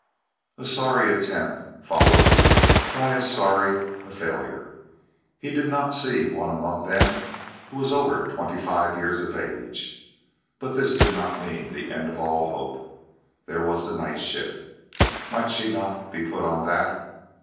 A sorry attempt followed by as sorry a failure! He did not see one among them who was over twenty five years of age. But this did not mean the end of all hope. There was the nightshift. Might she not be put on that?